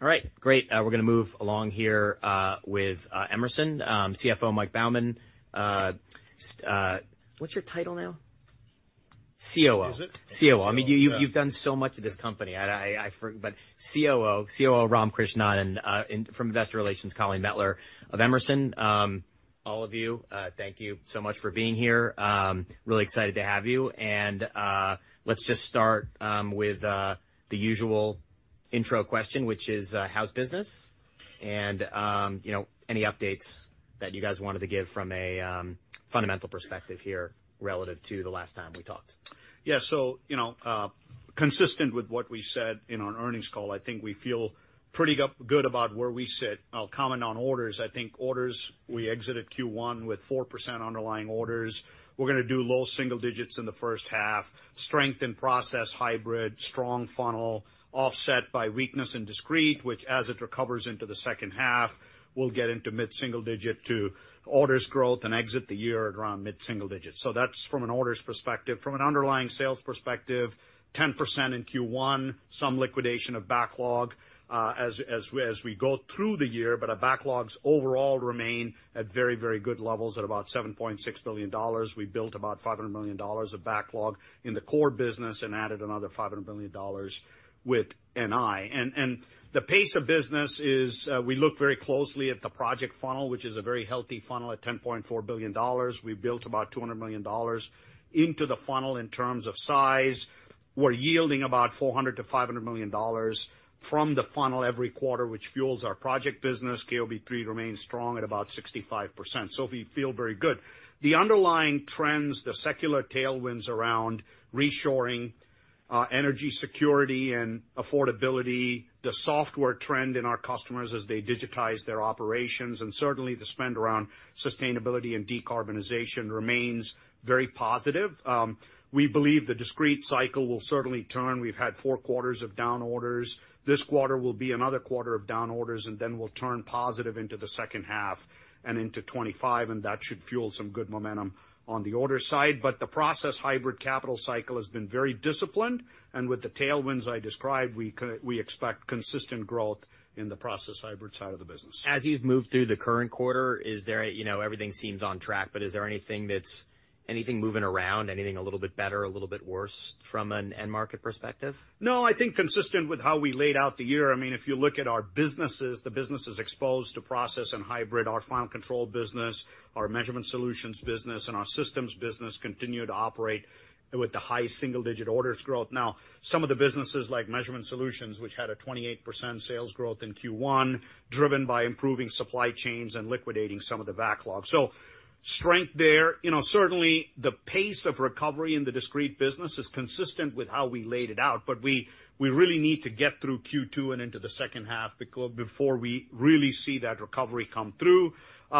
All right, great. We're going to move along here with Emerson, CFO Mike Baughman. What's your title now? COO. COO. I mean, you've done so much at this company. But COO, Ram Krishnan, and from Investor Relations, Colleen Mettler of Emerson, all of you, thank you so much for being here. Really excited to have you. Let's just start with the usual intro question, which is, how's business? And any updates that you guys wanted to give from a fundamental perspective here relative to the last time we talked? Yeah. So consistent with what we said in our earnings call, I think we feel pretty good about where we sit. I'll comment on orders. I think orders we exited Q1 with 4% underlying orders. We're going to do low single digits in the first half, strengthen process hybrid, strong funnel, offset by weakness and discrete, which as it recovers into the second half, we'll get into mid-single digit to orders growth and exit the year around mid-single digits. So that's from an orders perspective. From an underlying sales perspective, 10% in Q1, some liquidation of backlog as we go through the year, but our backlogs overall remain at very, very good levels at about $7.6 billion. We built about $500 million of backlog in the core business and added another $500 million with NI. The pace of business is we look very closely at the project funnel, which is a very healthy funnel at $10.4 billion. We built about $200 million into the funnel in terms of size. We're yielding about $400-$500 million from the funnel every quarter, which fuels our project business. KOB3 remains strong at about 65%. So we feel very good. The underlying trends, the secular tailwinds around reshoring, energy security and affordability, the software trend in our customers as they digitize their operations, and certainly the spend around sustainability and decarbonization remains very positive. We believe the discrete cycle will certainly turn. We've had four quarters of down orders. This quarter will be another quarter of down orders, and then we'll turn positive into the second half and into 2025, and that should fuel some good momentum on the order side. But the process hybrid capital cycle has been very disciplined, and with the tailwinds I described, we expect consistent growth in the process hybrid side of the business. As you've moved through the current quarter, everything seems on track, but is there anything moving around, anything a little bit better, a little bit worse from an end market perspective? No, I think consistent with how we laid out the year. I mean, if you look at our businesses, the businesses exposed to process and hybrid, our Final Control business, our Measurement Solutions business, and our systems business continue to operate with the high single-digit orders growth. Now, some of the businesses like Measurement Solutions, which had a 28% sales growth in Q1, driven by improving supply chains and liquidating some of the backlog. So strength there. Certainly, the pace of recovery in the discrete business is consistent with how we laid it out, but we really need to get through Q2 and into the second half before we really see that recovery come through.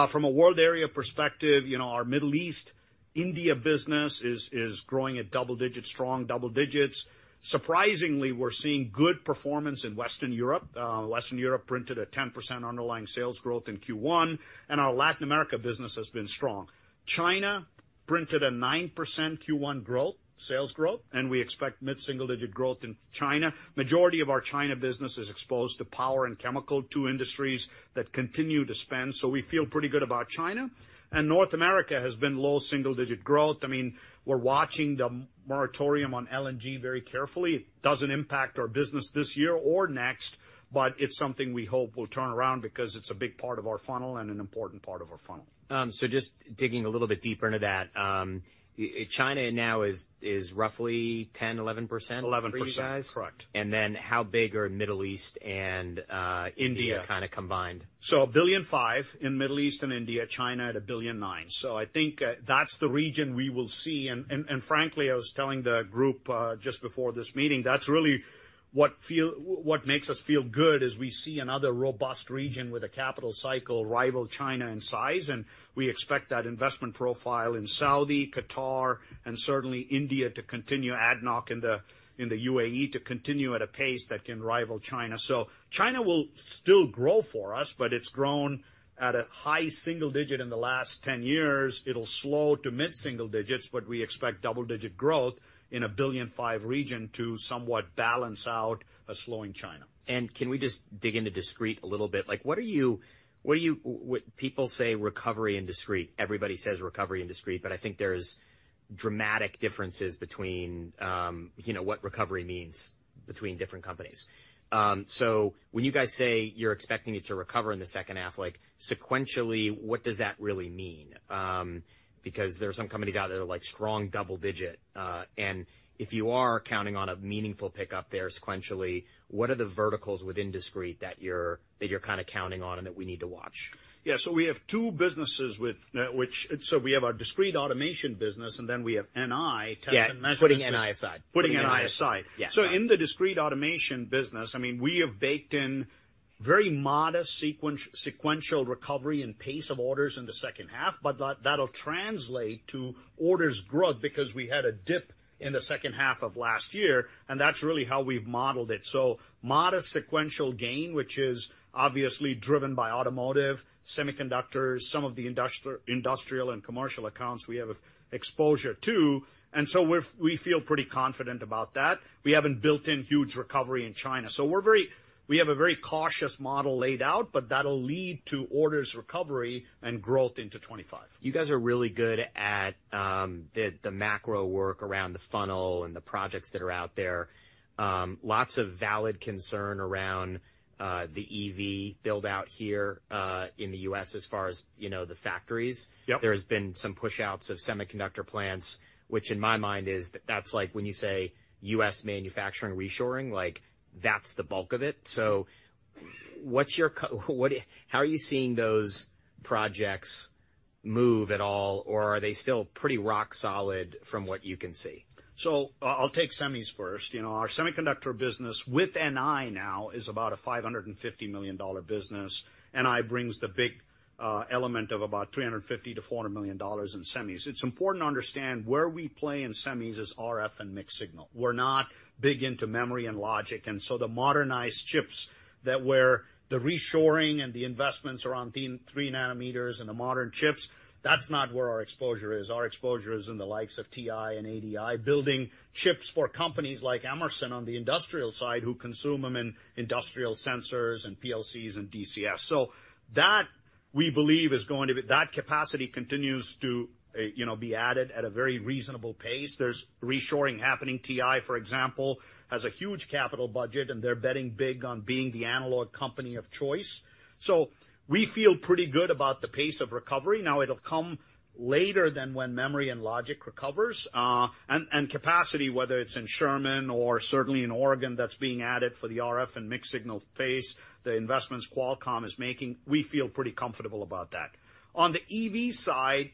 From a world area perspective, our Middle East, India business is growing at double-digits, strong double-digits. Surprisingly, we're seeing good performance in Western Europe. Western Europe printed a 10% underlying sales growth in Q1, and our Latin America business has been strong. China printed a 9% Q1 growth, sales growth, and we expect mid-single digit growth in China. Majority of our China business is exposed to power and chemical, two industries that continue to spend, so we feel pretty good about China. North America has been low single digit growth. I mean, we're watching the moratorium on LNG very carefully. It doesn't impact our business this year or next, but it's something we hope will turn around because it's a big part of our funnel and an important part of our funnel. Just digging a little bit deeper into that, China now is roughly 10%-11% for you guys? 11%, correct. And then how big are Middle East and India kind of combined? So $1.5 billion in Middle East and India, China at $1.9 billion. So I think that's the region we will see. And frankly, I was telling the group just before this meeting, that's really what makes us feel good is we see another robust region with a capital cycle rival China in size, and we expect that investment profile in Saudi, Qatar, and certainly India to continue ADNOC in the UAE to continue at a pace that can rival China. So China will still grow for us, but it's grown at a high single-digit in the last 10 years. It'll slow to mid-single digits, but we expect double-digit growth in a $1.5 billion region to somewhat balance out a slowing China. Can we just dig into discrete a little bit? What are you people say recovery and discrete? Everybody says recovery and discrete, but I think there's dramatic differences between what recovery means between different companies. So when you guys say you're expecting it to recover in the second half, sequentially, what does that really mean? Because there are some companies out there that are strong double-digit. And if you are counting on a meaningful pickup there sequentially, what are the verticals within discrete that you're kind of counting on and that we need to watch? Yeah. So we have two businesses with which so we have our Discrete Automation business, and then we have NI, test and measurement. Yeah. Putting NI aside. Putting NI aside. So in the Discrete Automation business, I mean, we have baked in very modest sequential recovery and pace of orders in the second half, but that'll translate to orders growth because we had a dip in the second half of last year, and that's really how we've modeled it. So modest sequential gain, which is obviously driven by automotive, semiconductors, some of the industrial and commercial accounts we have exposure to. And so we feel pretty confident about that. We haven't built in huge recovery in China. So we have a very cautious model laid out, but that'll lead to orders recovery and growth into 2025. You guys are really good at the macro work around the funnel and the projects that are out there. Lots of valid concern around the EV buildout here in the U.S. as far as the factories. There has been some pushouts of semiconductor plants, which in my mind is that's like when you say U.S. manufacturing reshoring, that's the bulk of it. So how are you seeing those projects move at all, or are they still pretty rock solid from what you can see? So I'll take semis first. Our semiconductor business with NI now is about a $550 million business. NI brings the big element of about $350-$400 million in semis. It's important to understand where we play in semis is RF and mixed signal. We're not big into memory and logic. And so the modernized chips that were the reshoring and the investments around 3 nanometers and the modern chips, that's not where our exposure is. Our exposure is in the likes of TI and ADI, building chips for companies like Emerson on the industrial side who consume them in industrial sensors and PLCs and DCS. So that, we believe, is going to that capacity continues to be added at a very reasonable pace. There's reshoring happening. TI, for example, has a huge capital budget, and they're betting big on being the analog company of choice. So we feel pretty good about the pace of recovery. Now, it'll come later than when memory and logic recovers. And capacity, whether it's in Sherman or certainly in Oregon, that's being added for the RF and mixed signal pace, the investments Qualcomm is making, we feel pretty comfortable about that. On the EV side,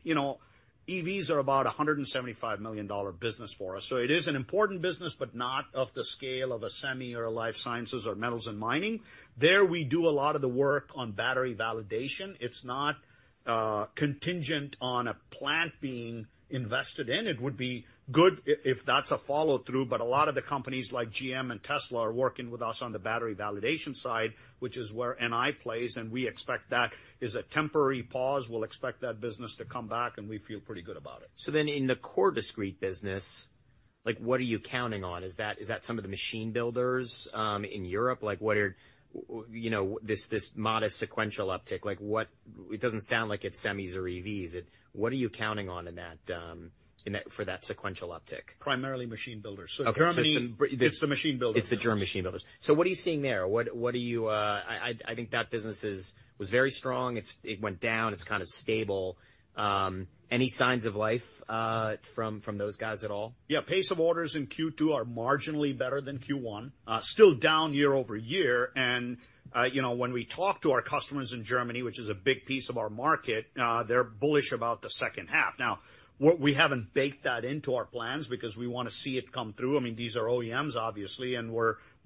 EVs are about a $175 million business for us. So it is an important business, but not of the scale of a semi or a life sciences or metals and mining. There, we do a lot of the work on battery validation. It's not contingent on a plant being invested in. It would be good if that's a follow-through. But a lot of the companies like GM and Tesla are working with us on the battery validation side, which is where NI plays, and we expect that is a temporary pause. We'll expect that business to come back, and we feel pretty good about it. So then in the core discrete business, what are you counting on? Is that some of the machine builders in Europe? What is this modest sequential uptick? It doesn't sound like it's semis or EVs. What are you counting on for that sequential uptick? Primarily machine builders. So Germany, it's the machine builders. It's the German machine builders. So what are you seeing there? What are you? I think that business was very strong. It went down. It's kind of stable. Any signs of life from those guys at all? Yeah. Pace of orders in Q2 are marginally better than Q1, still down year-over-year. When we talk to our customers in Germany, which is a big piece of our market, they're bullish about the second half. Now, we haven't baked that into our plans because we want to see it come through. I mean, these are OEMs, obviously, and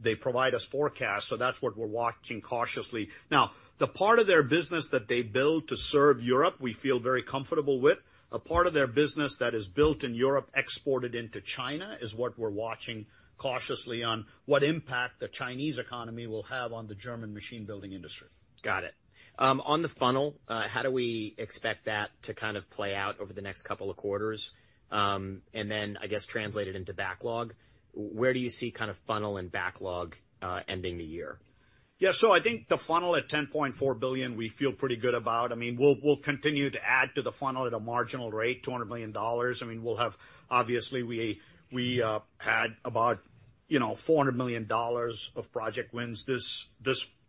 they provide us forecasts, so that's what we're watching cautiously. Now, the part of their business that they build to serve Europe we feel very comfortable with. A part of their business that is built in Europe, exported into China, is what we're watching cautiously on what impact the Chinese economy will have on the German machine building industry. Got it. On the funnel, how do we expect that to kind of play out over the next couple of quarters? And then, I guess, translated into backlog, where do you see kind of funnel and backlog ending the year? Yeah. So I think the funnel at $10.4 billion, we feel pretty good about. I mean, we'll continue to add to the funnel at a marginal rate, $200 million. I mean, we'll have obviously, we had about $400 million of project wins this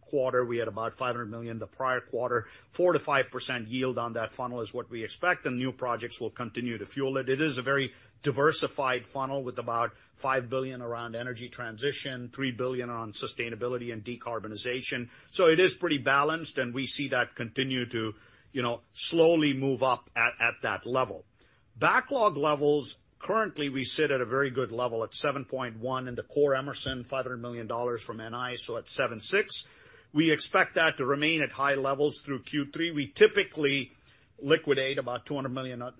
quarter. We had about $500 million the prior quarter. 4%-5% yield on that funnel is what we expect, and new projects will continue to fuel it. It is a very diversified funnel with about $5 billion around energy transition, $3 billion on sustainability and decarbonization. So it is pretty balanced, and we see that continue to slowly move up at that level. Backlog levels, currently, we sit at a very good level at $7.1 billion in the core Emerson, $500 million from NI, so at $7.6 billion. We expect that to remain at high levels through Q3. We typically liquidate about $200 million of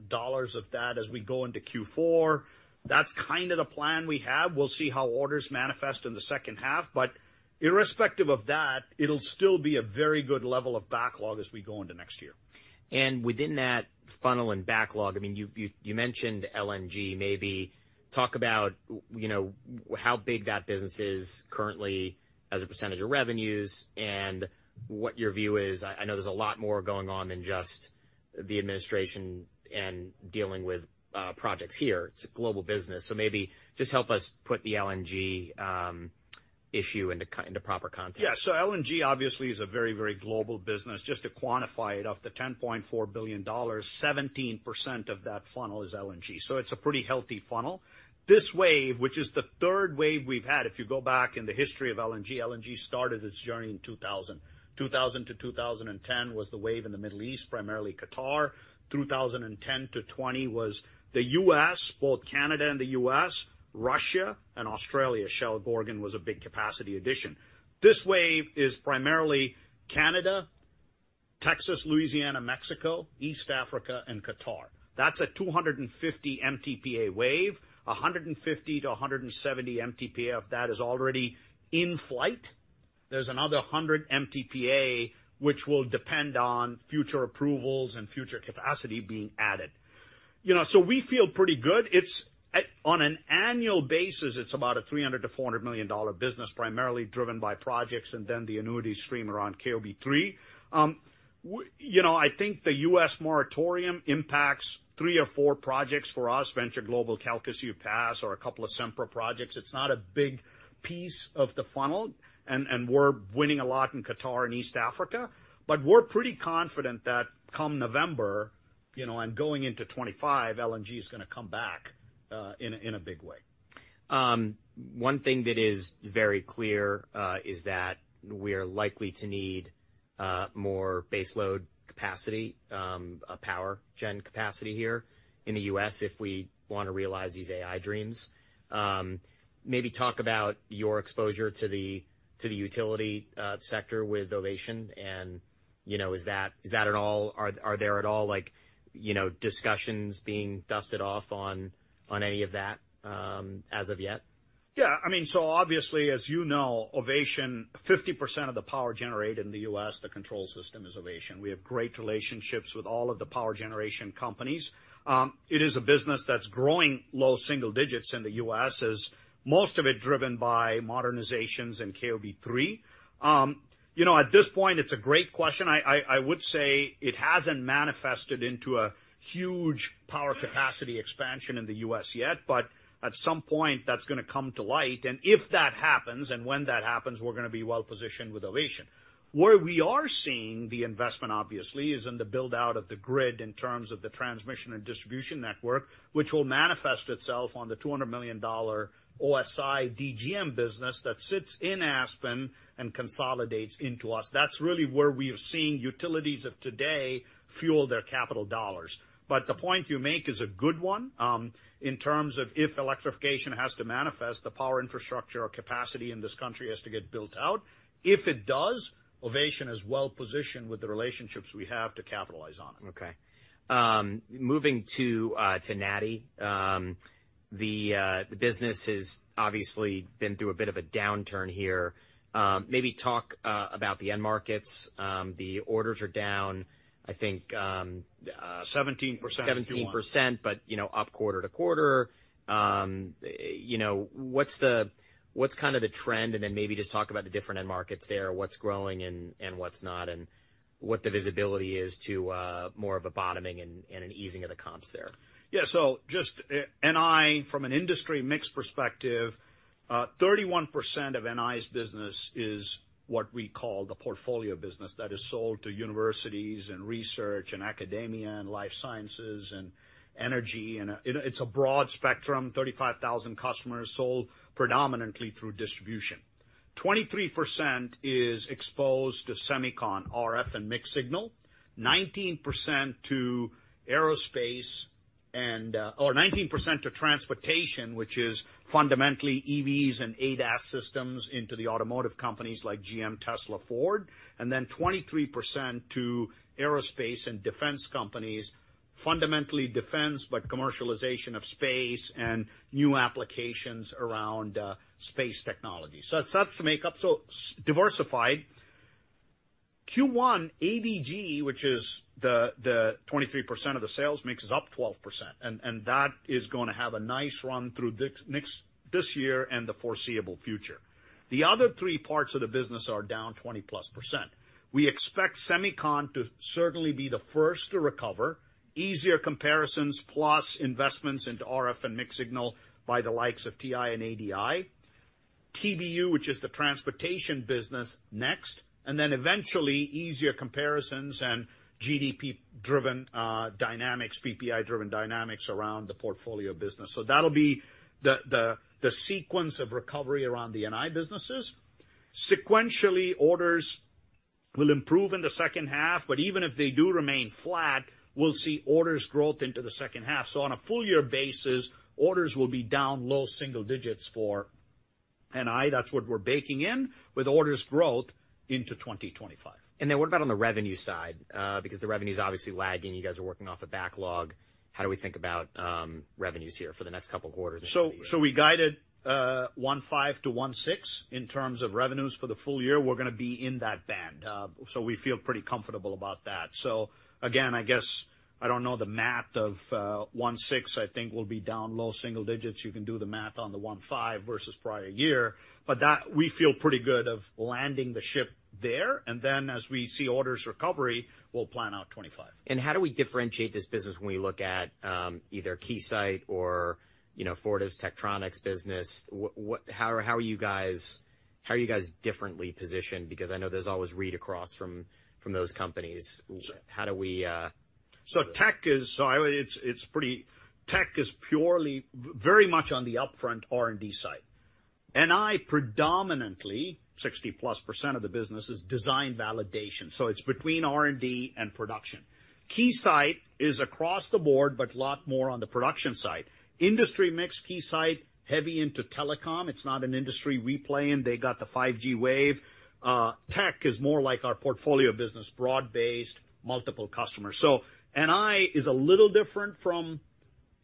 that as we go into Q4. That's kind of the plan we have. We'll see how orders manifest in the second half. But irrespective of that, it'll still be a very good level of backlog as we go into next year. Within that funnel and backlog, I mean, you mentioned LNG. Maybe talk about how big that business is currently as a percentage of revenues and what your view is. I know there's a lot more going on than just the administration and dealing with projects here. It's a global business. So maybe just help us put the LNG issue into proper context. Yeah. So LNG, obviously, is a very, very global business. Just to quantify it, off the $10.4 billion, 17% of that funnel is LNG. So it's a pretty healthy funnel. This wave, which is the third wave we've had, if you go back in the history of LNG, LNG started its journey in 2000. 2000 to 2010 was the wave in the Middle East, primarily Qatar. 2010 to 2020 was the U.S., both Canada and the U.S., Russia, and Australia. Shell Gorgon was a big capacity addition. This wave is primarily Canada, Texas, Louisiana, Mexico, East Africa, and Qatar. That's a 250 MTPA wave, 150-170 MTPA if that is already in flight. There's another 100 MTPA, which will depend on future approvals and future capacity being added. So we feel pretty good. On an annual basis, it's about a $300 million-$400 million business, primarily driven by projects and then the annuity stream around KOB3. I think the US moratorium impacts three or four projects for us, Venture Global Calcasieu Pass or a couple of Sempra projects. It's not a big piece of the funnel, and we're winning a lot in Qatar and East Africa. But we're pretty confident that come November and going into 2025, LNG is going to come back in a big way. One thing that is very clear is that we are likely to need more baseload capacity, power gen capacity here in the U.S. if we want to realize these AI dreams. Maybe talk about your exposure to the utility sector with Ovation. And are there at all discussions being dusted off on any of that as of yet? Yeah. I mean, so obviously, as you know, Ovation, 50% of the power generated in the U.S., the control system is Ovation. We have great relationships with all of the power generation companies. It is a business that's growing low single digits in the U.S., is most of it driven by modernizations and KOB3. At this point, it's a great question. I would say it hasn't manifested into a huge power capacity expansion in the U.S. yet, but at some point, that's going to come to light. And if that happens and when that happens, we're going to be well positioned with Ovation. Where we are seeing the investment, obviously, is in the buildout of the grid in terms of the transmission and distribution network, which will manifest itself on the $200 million OSI DGM business that sits in Aspen and consolidates into us. That's really where we are seeing utilities of today fuel their capital dollars. But the point you make is a good one in terms of if electrification has to manifest, the power infrastructure or capacity in this country has to get built out. If it does, Ovation is well positioned with the relationships we have to capitalize on it. Okay. Moving to NATI, the business has obviously been through a bit of a downturn here. Maybe talk about the end markets. The orders are down, I think. 17%. 17%, but up quarter-over-quarter. What's kind of the trend? And then maybe just talk about the different end markets there, what's growing and what's not, and what the visibility is to more of a bottoming and an easing of the comps there. Yeah. So just NI, from an industry mixed perspective, 31% of NI's business is what we call the portfolio business that is sold to universities and research and academia and life sciences and energy. And it's a broad spectrum, 35,000 customers, sold predominantly through distribution. 23% is exposed to semicon, RF and mixed signal, 19% to aerospace and or 19% to transportation, which is fundamentally EVs and ADAS systems into the automotive companies like GM, Tesla, Ford, and then 23% to aerospace and defense companies, fundamentally defense but commercialization of space and new applications around space technology. So that's the makeup. So diversified. Q1, ADG, which is the 23% of the sales, makes us up 12%. And that is going to have a nice run through this year and the foreseeable future. The other three parts of the business are down 20+%. We expect semicon to certainly be the first to recover, easier comparisons plus investments into RF and mixed signal by the likes of TI and ADI, TBU, which is the transportation business, next, and then eventually easier comparisons and GDP-driven dynamics, PPI-driven dynamics around the portfolio business. So that'll be the sequence of recovery around the NI businesses. Sequentially, orders will improve in the second half, but even if they do remain flat, we'll see orders growth into the second half. So on a full-year basis, orders will be down low single digits for NI. That's what we're baking in with orders growth into 2025. And then what about on the revenue side? Because the revenue's obviously lagging. You guys are working off a backlog. How do we think about revenues here for the next couple of quarters? We guided $1.5-$1.6 in terms of revenues for the full year. We're going to be in that band. We feel pretty comfortable about that. Again, I guess I don't know the math of $1.6. I think we'll be down low single digits. You can do the math on the $1.5 versus prior year. But we feel pretty good of landing the ship there. Then as we see orders recovery, we'll plan out 2025. How do we differentiate this business when we look at either Keysight or Fortive's Tektronix business? How are you guys differently positioned? Because I know there's always read-across from those companies. How do we? So tech is pretty much on the upfront R&D side. NI, predominantly, 60+% of the business is design validation. So it's between R&D and production. Keysight is across the board, but a lot more on the production side. Industry mix, Keysight, heavy into telecom. It's not an industry we play in. They got the 5G wave. Tech is more like our portfolio business, broad-based, multiple customers. So NI is a little different from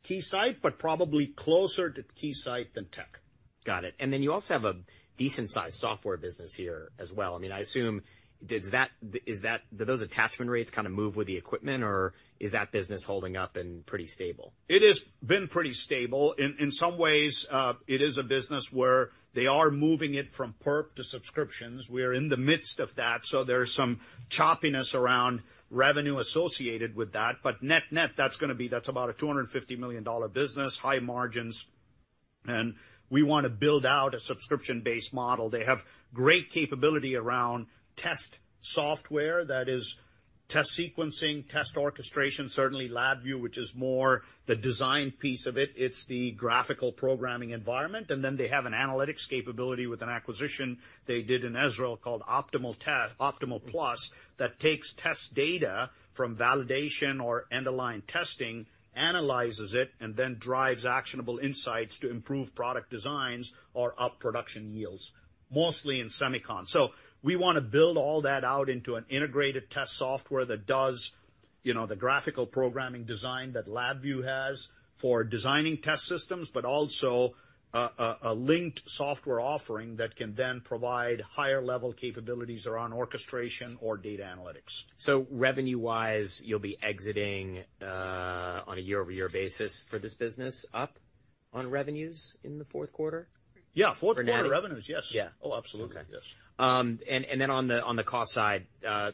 Keysight, but probably closer to Keysight than tech. Got it. Then you also have a decent-sized software business here as well. I mean, I assume is that do those attachment rates kind of move with the equipment, or is that business holding up and pretty stable? It has been pretty stable. In some ways, it is a business where they are moving it from PERP to subscriptions. We are in the midst of that, so there's some choppiness around revenue associated with that. But net-net, that's going to be that's about a $250 million business, high margins. And we want to build out a subscription-based model. They have great capability around test software that is test sequencing, test orchestration, certainly LabVIEW, which is more the design piece of it. It's the graphical programming environment. And then they have an analytics capability with an acquisition they did in Israel called OptimalPlus that takes test data from validation or end-of-line testing, analyzes it, and then drives actionable insights to improve product designs or up production yields, mostly in semicon. So we want to build all that out into an integrated test software that does the graphical programming design that LabVIEW has for designing test systems, but also a linked software offering that can then provide higher-level capabilities around orchestration or data analytics. So revenue-wise, you'll be exiting on a year-over-year basis for this business, up on revenues in the fourth quarter? Yeah. Fourth quarter revenues, yes. Oh, absolutely. Yes. Okay. And then on the cost side,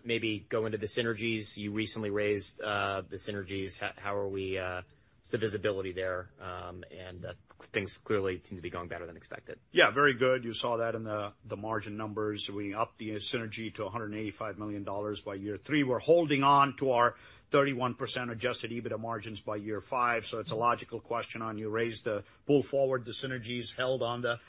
maybe go into the synergies. You recently raised the synergies. How are we? What's the visibility there? And things clearly seem to be going better than expected. Yeah. Very good. You saw that in the margin numbers. We upped the synergy to $185 million by year three. We're holding on to our 31% adjusted EBITDA margins by year five. So it's a logical question on you raised the pull forward, the synergies held on the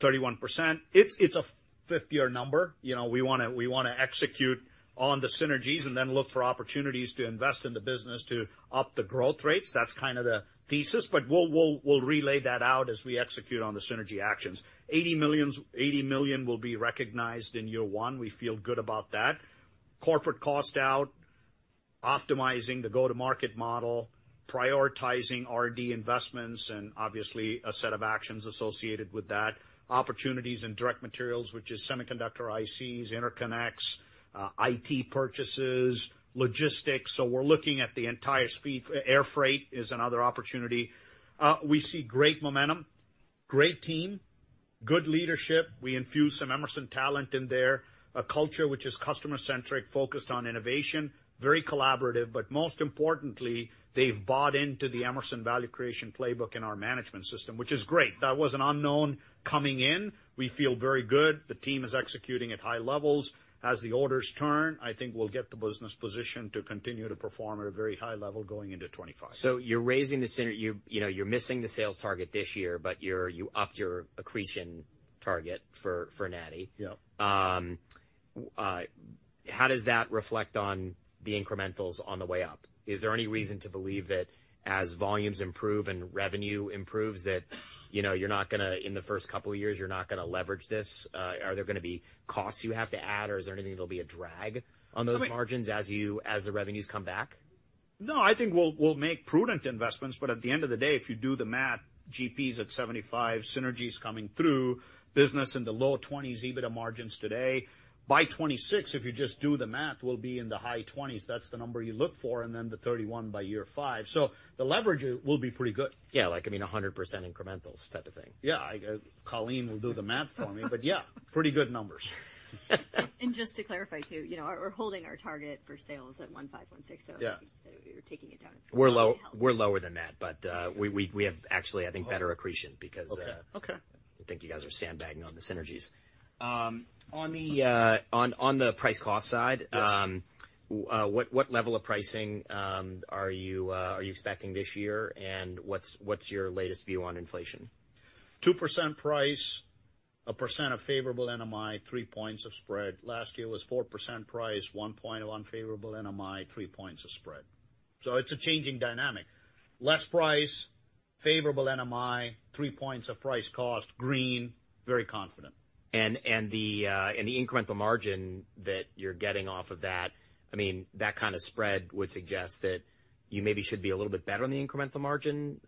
31%. It's a fifth-year number. We want to execute on the synergies and then look for opportunities to invest in the business to up the growth rates. That's kind of the thesis. But we'll relay that out as we execute on the synergy actions. $80 million will be recognized in year one. We feel good about that. Corporate cost out, optimizing the go-to-market model, prioritizing R&D investments, and obviously a set of actions associated with that, opportunities in direct materials, which is semiconductor ICs, interconnects, IT purchases, logistics. So we're looking at the entire air freight is another opportunity. We see great momentum, great team, good leadership. We infuse some Emerson talent in there, a culture which is customer-centric, focused on innovation, very collaborative. But most importantly, they've bought into the Emerson Value Creation Playbook in our management system, which is great. That was an unknown coming in. We feel very good. The team is executing at high levels. As the orders turn, I think we'll get the business position to continue to perform at a very high level going into 2025. So you're missing the sales target this year, but you upped your accretion target for NATI. How does that reflect on the incrementals on the way up? Is there any reason to believe that as volumes improve and revenue improves, that you're not going to leverage this in the first couple of years? Are there going to be costs you have to add, or is there anything that'll be a drag on those margins as the revenues come back? No. I think we'll make prudent investments. But at the end of the day, if you do the math, GP is at 75%, synergy is coming through, business in the low-20s% EBITDA margins today. By 2026, if you just do the math, we'll be in the high-20s%. That's the number you look for, and then the 31% by year five. So the leverage will be pretty good. Yeah. I mean, 100% incrementals type of thing. Yeah. Colleen will do the math for me. But yeah, pretty good numbers. Just to clarify too, we're holding our target for sales at $1.5-$1.6. You said we were taking it down. We're lower than that, but we have actually, I think, better accretion because I think you guys are sandbagging on the synergies. On the price-cost side, what level of pricing are you expecting this year, and what's your latest view on inflation? 2% price, 1% of favorable NMI, three points of spread. Last year was 4% price, one point of unfavorable NMI, three points of spread. So it's a changing dynamic. Less price, favorable NMI, three points of price cost, green, very confident. The incremental margin that you're getting off of that, I mean, that kind of spread would suggest that you maybe should be a little bit better on the incremental margin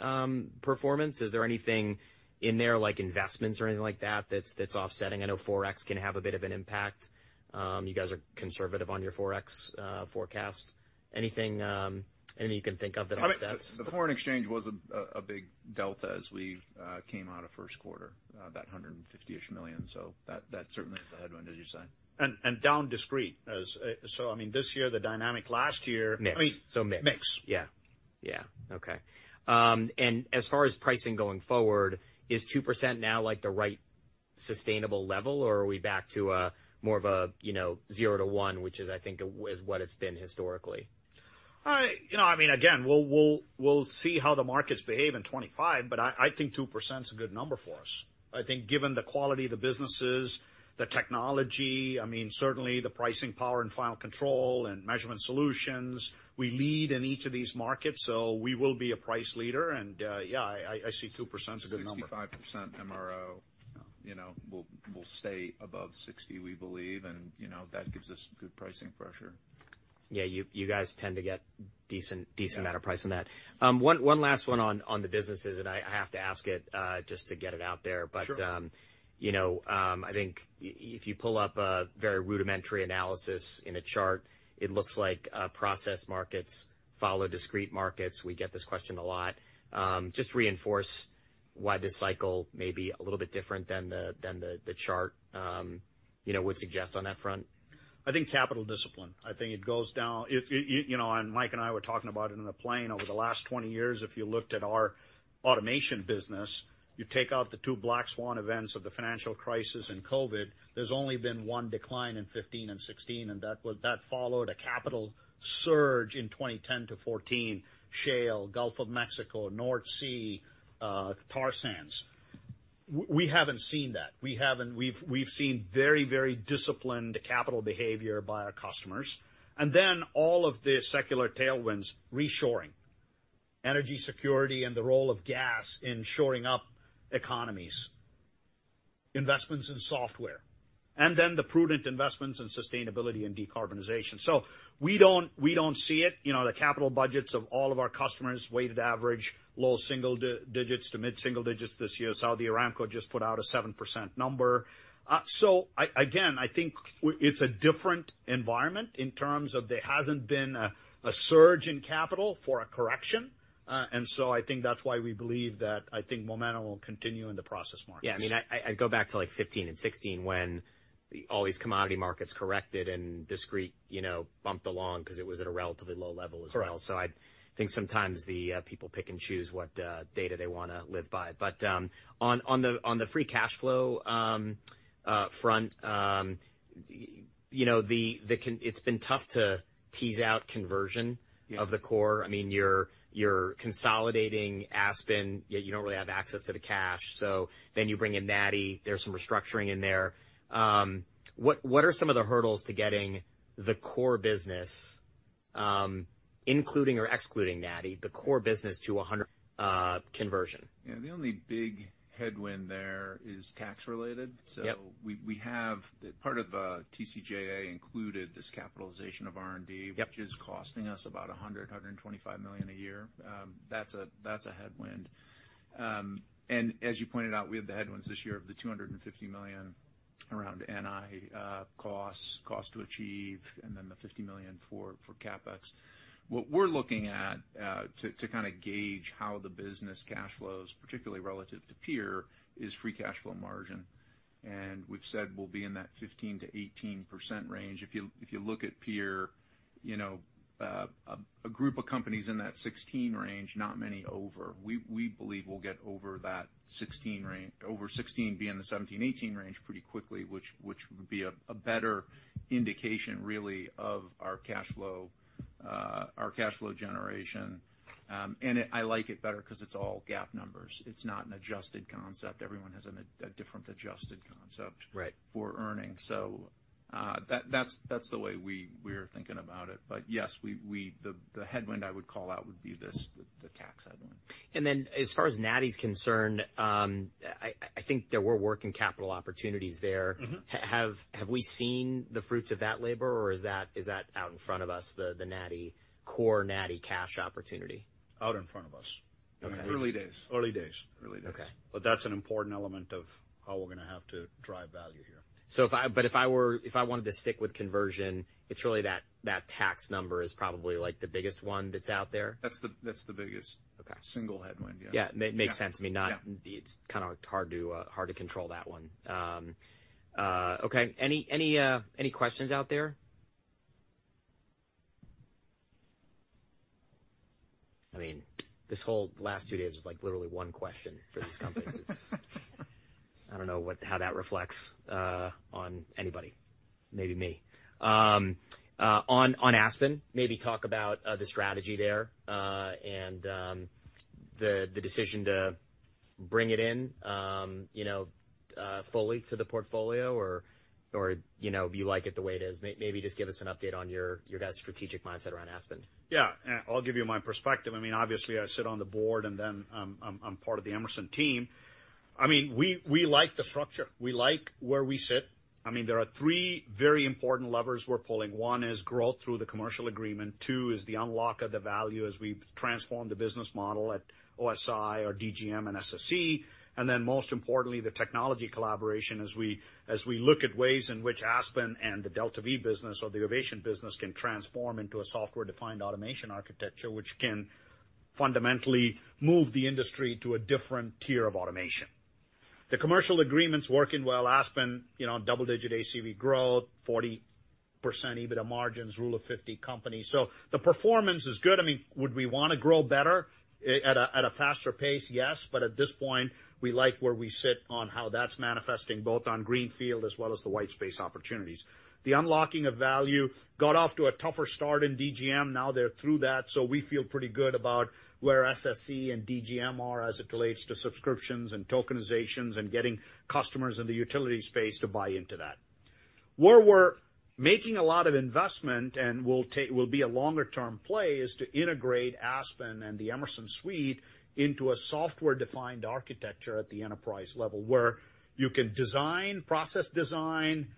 performance. Is there anything in there, like investments or anything like that, that's offsetting? I know Forex can have a bit of an impact. You guys are conservative on your Forex forecast. Anything you can think of that offsets? The foreign exchange was a big delta as we came out of first quarter, that $150-ish million. So that certainly is a headwind, as you say. And down discrete. So I mean, this year, the dynamic last year. Mix. So mix. Mix. Mike. Yeah. Yeah. Okay. And as far as pricing going forward, is 2% now the right sustainable level, or are we back to more of a 0%-1%, which is, I think, is what it's been historically? I mean, again, we'll see how the markets behave in 2025, but I think 2% is a good number for us. I think given the quality of the businesses, the technology, I mean, certainly the pricing power and final control and measurement solutions, we lead in each of these markets, so we will be a price leader. Yeah, I see 2% as a good number. 65% MRO will stay above 60%, we believe, and that gives us good pricing pressure. Yeah. You guys tend to get a decent amount of price on that. One last one on the businesses, and I have to ask it just to get it out there, but I think if you pull up a very rudimentary analysis in a chart, it looks like process markets follow discrete markets. We get this question a lot. Just reinforce why this cycle may be a little bit different than the chart would suggest on that front. I think capital discipline. I think it goes down and Mike and I were talking about it in the plane. Over the last 20 years, if you looked at our automation business, you take out the two Black Swan events of the financial crisis and COVID, there's only been one decline in 2015 and 2016, and that followed a capital surge in 2010 to 2014, shale, Gulf of Mexico, North Sea, tar sands. We haven't seen that. We've seen very, very disciplined capital behavior by our customers. And then all of the secular tailwinds, reshoring, energy security and the role of gas in shoring up economies, investments in software, and then the prudent investments in sustainability and decarbonization. So we don't see it. The capital budgets of all of our customers, weighted average, low single digits to mid-single digits this year. Saudi Aramco just put out a 7% number. So again, I think it's a different environment in terms of there hasn't been a surge in capital for a correction. And so I think that's why we believe that I think momentum will continue in the process markets. Yeah. I mean, I go back to 2015 and 2016 when all these commodity markets corrected and discrete bumped along because it was at a relatively low level as well. So I think sometimes the people pick and choose what data they want to live by. But on the free cash flow front, it's been tough to tease out conversion of the core. I mean, you're consolidating AspenTech, yet you don't really have access to the cash. So then you bring in NATI. There's some restructuring in there. What are some of the hurdles to getting the core business, including or excluding NATI, the core business to conversion? Yeah. The only big headwind there is tax-related. So part of TCJA included this capitalization of R&D, which is costing us about $100-$125 million a year. That's a headwind. As you pointed out, we had the headwinds this year of the $250 million around NI costs, cost to achieve, and then the $50 million for CapEx. What we're looking at to kind of gauge how the business cash flows, particularly relative to peer, is free cash flow margin. And we've said we'll be in that 15%-18% range. If you look at peer, a group of companies in that 16% range, not many over. We believe we'll get over that 16%, over 16%, be in the 17%-18% range pretty quickly, which would be a better indication, really, of our cash flow generation. And I like it better because it's all GAAP numbers. It's not an adjusted concept. Everyone has a different adjusted concept for earnings. So that's the way we are thinking about it. But yes, the headwind I would call out would be this, the tax headwind. Then as far as NI is concerned, I think there were working capital opportunities there. Have we seen the fruits of that labor, or is that out in front of us, the core NI cash opportunity? Out in front of us. Early days. Early days. Early days. But that's an important element of how we're going to have to drive value here. But if I wanted to stick with conversion, it's really that tax number is probably the biggest one that's out there? That's the biggest single headwind. Yeah. Yeah. It makes sense. I mean, it's kind of hard to control that one. Okay. Any questions out there? I mean, this whole last two days was literally one question for these companies. I don't know how that reflects on anybody, maybe me. On Aspen, maybe talk about the strategy there and the decision to bring it in fully to the portfolio, or you like it the way it is. Maybe just give us an update on your guys' strategic mindset around Aspen. Yeah. I'll give you my perspective. I mean, obviously, I sit on the board, and then I'm part of the Emerson team. I mean, we like the structure. We like where we sit. I mean, there are three very important levers we're pulling. One is growth through the commercial agreement. Two is the unlock of the value as we transform the business model at OSI or DGM and SSC. And then most importantly, the technology collaboration as we look at ways in which Aspen and the DeltaV business or the Ovation business can transform into a software-defined automation architecture, which can fundamentally move the industry to a different tier of automation. The commercial agreements working well, Aspen, double-digit ACV growth, 40% EBITDA margins, rule of 50 companies. So the performance is good. I mean, would we want to grow better at a faster pace? Yes. But at this point, we like where we sit on how that's manifesting, both on Greenfield as well as the white space opportunities. The unlocking of value got off to a tougher start in DGM. Now they're through that. So we feel pretty good about where SSC and DGM are as it relates to subscriptions and tokenizations and getting customers in the utility space to buy into that. Where we're making a lot of investment and will be a longer-term play is to integrate Aspen and the Emerson suite into a software-defined architecture at the enterprise level where you can design, process design,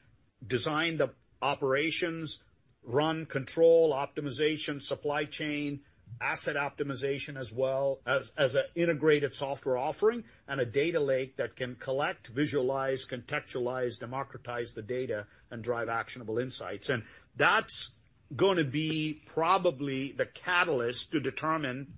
design the operations, run, control, optimization, supply chain, asset optimization as well as an integrated software offering and a data lake that can collect, visualize, contextualize, democratize the data, and drive actionable insights. That's going to be probably the catalyst to determine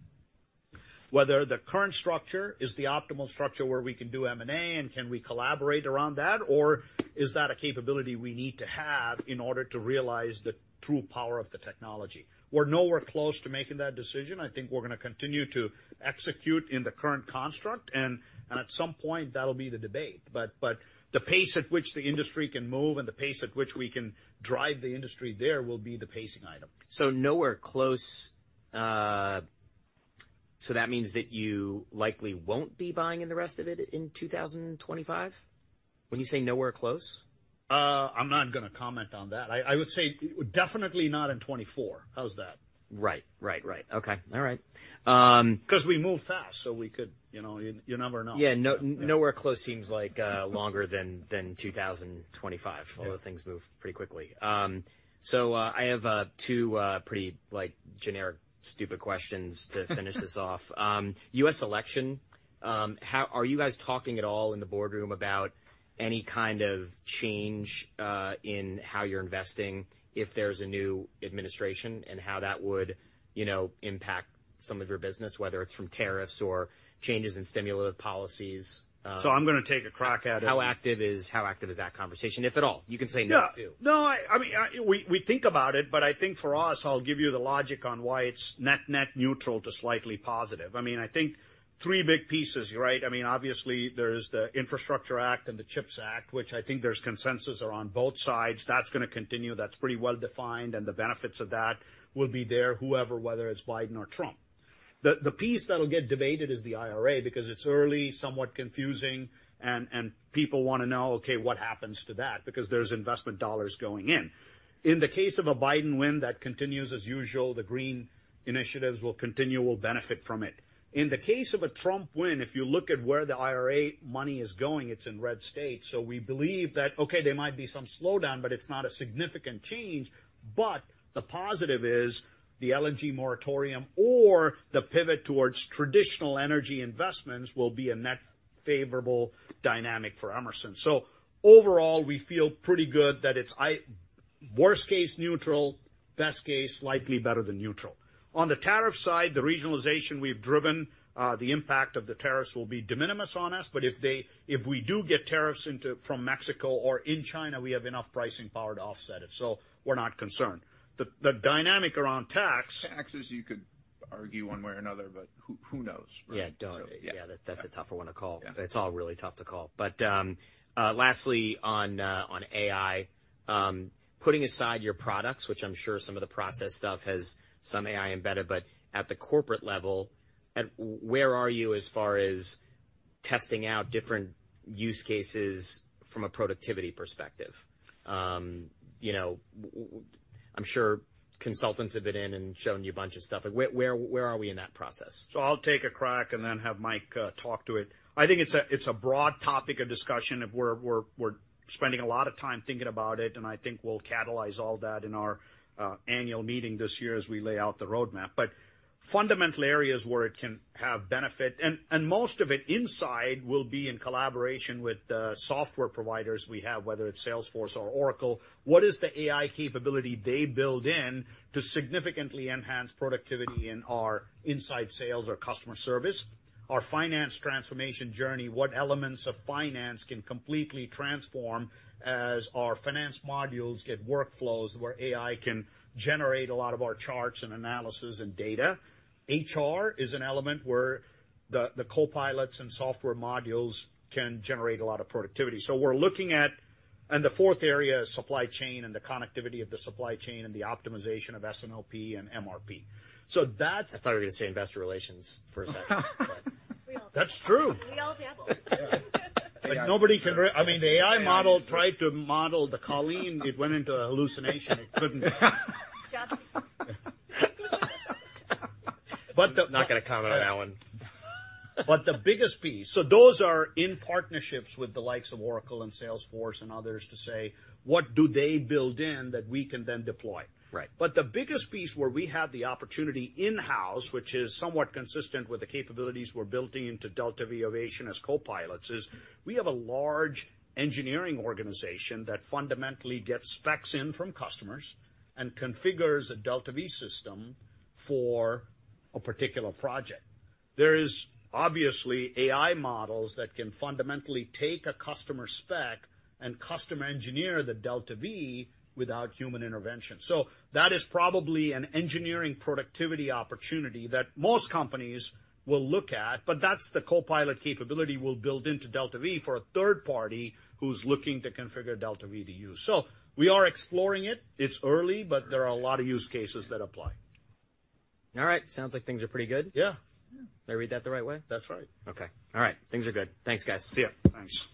whether the current structure is the optimal structure where we can do M&A and can we collaborate around that, or is that a capability we need to have in order to realize the true power of the technology? We're nowhere close to making that decision. I think we're going to continue to execute in the current construct, and at some point, that'll be the debate. But the pace at which the industry can move and the pace at which we can drive the industry there will be the pacing item. So nowhere close. So that means that you likely won't be buying in the rest of it in 2025 when you say nowhere close? I'm not going to comment on that. I would say definitely not in 2024. How's that? Right. Right. Right. Okay. All right. Because we move fast, so we could you never know. Yeah. Nowhere close seems like longer than 2025. All the things move pretty quickly. So I have two pretty generic, stupid questions to finish this off. U.S. election, are you guys talking at all in the boardroom about any kind of change in how you're investing if there's a new administration and how that would impact some of your business, whether it's from tariffs or changes in stimulus policies? I'm going to take a crack at it. How active is that conversation, if at all? You can say no too. No. No. I mean, we think about it, but I think for us, I'll give you the logic on why it's net-neutral to slightly positive. I mean, I think three big pieces, you're right. I mean, obviously, there is the Infrastructure Act and the CHIPS Act, which I think there's consensus around both sides. That's going to continue. That's pretty well-defined, and the benefits of that will be there, whoever, whether it's Biden or Trump. The piece that'll get debated is the IRA because it's early, somewhat confusing, and people want to know, "Okay, what happens to that?" because there's investment dollars going in. In the case of a Biden win, that continues as usual, the green initiatives will continue. We'll benefit from it. In the case of a Trump win, if you look at where the IRA money is going, it's in red states. So we believe that, "Okay, there might be some slowdown, but it's not a significant change." But the positive is the LNG moratorium or the pivot towards traditional energy investments will be a net-favorable dynamic for Emerson. So overall, we feel pretty good that it's worst-case neutral, best-case slightly better than neutral. On the tariff side, the regionalization we've driven, the impact of the tariffs will be de minimis on us. But if we do get tariffs from Mexico or in China, we have enough pricing power to offset it. So we're not concerned. The dynamic around tax. Taxes you could argue one way or another, but who knows? Yeah. Yeah. That's a tougher one to call. It's all really tough to call. But lastly, on AI, putting aside your products, which I'm sure some of the process stuff has some AI embedded, but at the corporate level, where are you as far as testing out different use cases from a productivity perspective? I'm sure consultants have been in and shown you a bunch of stuff. Where are we in that process? So I'll take a crack and then have Mike talk to it. I think it's a broad topic of discussion. We're spending a lot of time thinking about it, and I think we'll catalyze all that in our annual meeting this year as we lay out the roadmap. But fundamental areas where it can have benefit, and most of it inside, will be in collaboration with the software providers we have, whether it's Salesforce or Oracle. What is the AI capability they build in to significantly enhance productivity in our inside sales or customer service? Our finance transformation journey, what elements of finance can completely transform as our finance modules get workflows where AI can generate a lot of our charts and analysis and data? HR is an element where the co-pilots and software modules can generate a lot of productivity. So we're looking at and the fourth area is supply chain and the connectivity of the supply chain and the optimization of S&OP and MRP. So that's. I thought we were going to say investor relations for a second, but. That's true. We all dabble. Yeah. Nobody can really. I mean, the AI model tried to model the Colleen. It went into a hallucination. It couldn't. Job seeking. Not going to comment on that one. But the biggest piece, so those are in partnerships with the likes of Oracle and Salesforce and others to say, "What do they build in that we can then deploy?" But the biggest piece where we have the opportunity in-house, which is somewhat consistent with the capabilities we're building into DeltaV Ovation as co-pilots, is we have a large engineering organization that fundamentally gets specs in from customers and configures a DeltaV system for a particular project. There is obviously AI models that can fundamentally take a customer spec and custom engineer the DeltaV without human intervention. So that is probably an engineering productivity opportunity that most companies will look at, but that's the co-pilot capability we'll build into DeltaV for a third party who's looking to configure DeltaV to use. So we are exploring it. It's early, but there are a lot of use cases that apply. All right. Sounds like things are pretty good. Yeah. Did I read that the right way? That's right. Okay. All right. Things are good. Thanks, guys. See you. Thanks.